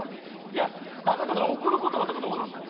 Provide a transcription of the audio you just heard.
いや例えば『贈る言葉』とかどうなんの？